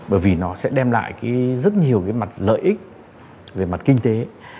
bởi vì nó sẽ đem lại rất nhiều mặt lợi ích về mặt kinh tế